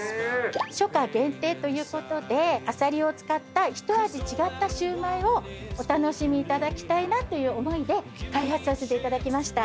初夏限定ということであさりを使った一味違ったシウマイをお楽しみいただきたいなという思いで開発させていただきました。